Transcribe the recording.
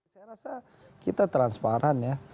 saya rasa kita transparan ya